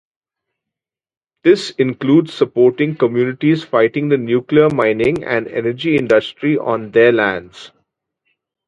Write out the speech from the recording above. This includes supporting communities fighting the nuclear mining and energy industry on their lands.